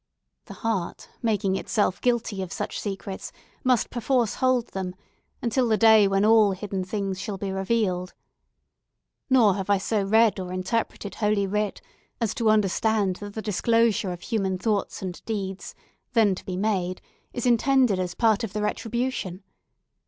The heart, making itself guilty of such secrets, must perforce hold them, until the day when all hidden things shall be revealed. Nor have I so read or interpreted Holy Writ, as to understand that the disclosure of human thoughts and deeds, then to be made, is intended as a part of the retribution.